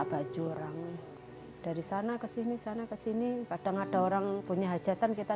baju orang dari sana ke sini sana ke sini kadang ada orang punya hajatan kita